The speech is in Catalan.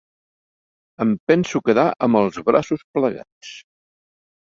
Em penso quedar amb els braços plegats.